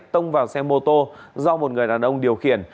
tông vào xe mô tô do một người đàn ông điều khiển